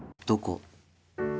どこ？